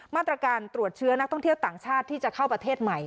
มาตรการตรวจเชื้อนักท่องเที่ยวต่างชาติที่จะเข้าประเทศใหม่